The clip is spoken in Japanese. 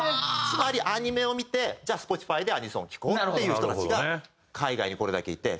つまりアニメを見てじゃあＳｐｏｔｉｆｙでアニソン聴こうっていう人たちが海外にこれだけいて。